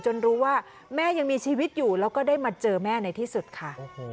รู้ว่าแม่ยังมีชีวิตอยู่แล้วก็ได้มาเจอแม่ในที่สุดค่ะ